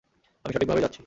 আমি সঠিকভাবেই যাচ্ছি।